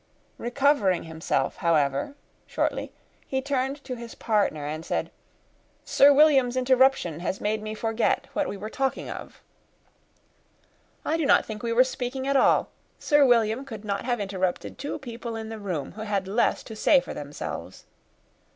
Recovering himself, however, shortly, he turned to his partner, and said, "Sir William's interruption has made me forget what we were talking of." "I do not think we were speaking at all. Sir William could not have interrupted any two people in the room who had less to say for themselves.